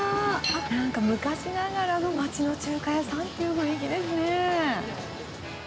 なんか昔ながらの町の中華屋さんっていう雰囲気ですね。